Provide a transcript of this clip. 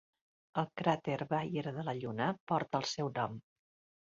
El cràter Bayer de la Lluna porta el seu nom.